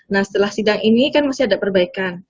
nah setelah sidang ini kan masih ada perbaikan